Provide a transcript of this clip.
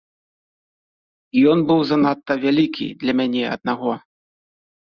Ён быў занадта вялікі для мяне аднаго.